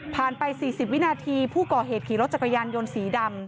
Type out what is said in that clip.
ไป๔๐วินาทีผู้ก่อเหตุขี่รถจักรยานยนต์สีดำ